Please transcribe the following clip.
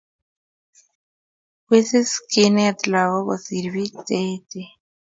Wisis kenet lagok kosir pik che echen